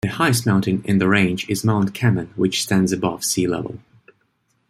The highest mountain in the range is Mount Kamen which stands above sea level.